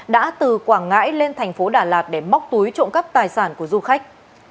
đã từ quảng ngãi lên thành phố đà lạt để móc túi trộm cắp tài sản của du khách